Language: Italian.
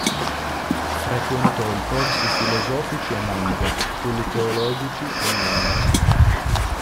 Frequentò i corsi filosofici a Monza e quelli teologici a Milano.